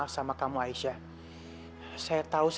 ibu bimaingkanku namanya mental gantung